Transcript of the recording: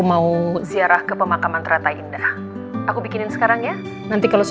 nanti satu malam itu rina lagi ngeres